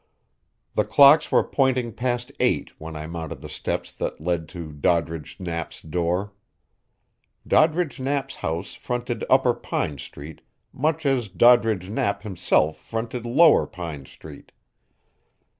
The clocks were pointing past eight when I mounted the steps that led to Doddridge Knapp's door. Doddridge Knapp's house fronted upper Pine Street much as Doddridge Knapp himself fronted lower Pine Street.